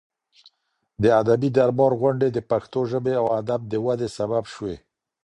د ادبي دربار غونډې د پښتو ژبې او ادب د ودې سبب شوې.